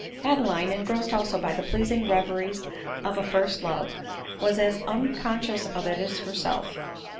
Adeline, engrossed also by the pleasing reveries of a first love, was as unconscious of it as herself.